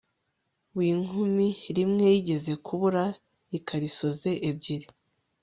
w inkumi rimwe yigeze kubura ikariso ze ebyiri